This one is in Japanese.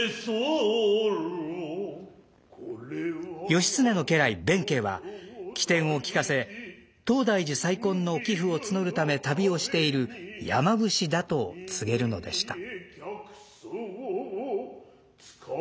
義経の家来弁慶は機転を利かせ東大寺再建の寄付を募るため旅をしている山伏だと告げるのでした。